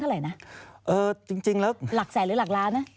หลักแสนหรือหลักล้านนะ